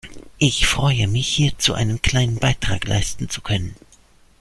Ich freue mich, hierzu einen kleinen Beitrag leisten zu können.